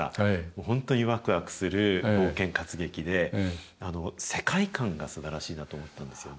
本当にわくわくする冒険活劇で、世界観がすばらしいなと思ったんですよね。